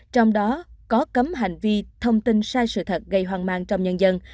trong đó có cấm hành vi thông tin sai sự thật gây hoang mang trong nhân dân